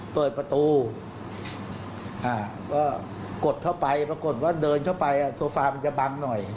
เปิดประตูก็กดเข้าไปปรากฏว่าเดินเข้าไปโซฟามันจะบังหน่อย